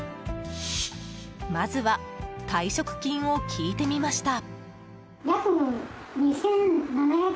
まずは退職金を聞いてみました。